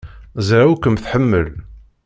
Ẓriɣ ur kem-tḥemmel.